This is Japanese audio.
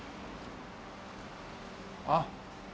あっ。